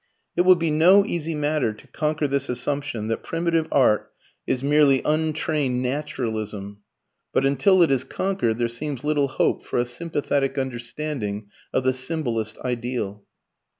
It will be no easy matter to conquer this assumption that Primitive art is merely untrained Naturalism, but until it is conquered there seems little hope for a sympathetic understanding of the symbolist ideal.